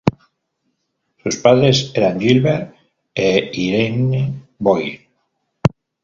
Sus padres eran Gilbert e Irene Boyle.